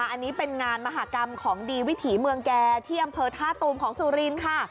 อันนี้เป็นงานมหากรรมของดีวิถีเมืองแก่ที่อำเภอท่าตูมของสุรินทร์ค่ะ